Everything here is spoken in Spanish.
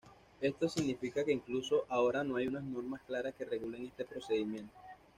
Esto significa que incluso ahora no hay unas normas claras que regulen este procedimiento.